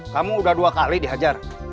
kamu udah dua kali dihajar